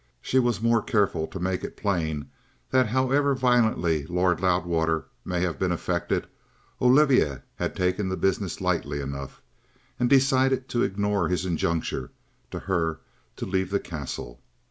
She was the more careful to make it plain that however violently Lord Loudwater may have been affected, Olivia had taken the business lightly enough, and decided to ignore his injunction to her to leave the Castle.